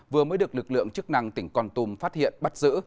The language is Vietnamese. vừa mới được lực lượng chức năng tỉnh con tum phát hiện bắt giữ